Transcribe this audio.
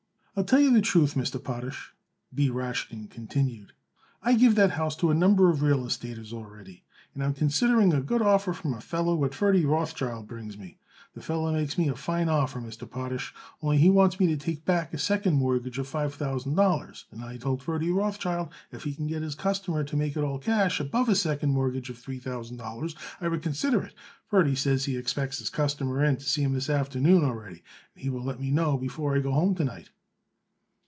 "I'll tell you the truth, Mr. Potash," B. Rashkin continued. "I give that house to a number of real estaters, already, and I'm considering a good offer from a feller what Ferdy Rothschild brings me. The feller makes me a fine offer, Mr. Potash, only he wants me to take back a second mortgage of five thousand dollars; and I told Ferdy Rothschild if he could get his customer to make it all cash above a second mortgage of three thousand dollars I would consider it. Ferdy says he expects his customer in to see him this afternoon, already, and he will let me know before I go home to night."